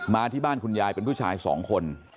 ที่บ้านคุณยายเป็นผู้ชายสองคน